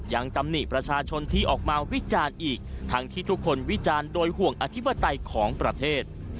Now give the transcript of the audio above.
ตำหนิประชาชนที่ออกมาวิจารณ์อีกทั้งที่ทุกคนวิจารณ์โดยห่วงอธิปไตยของประเทศ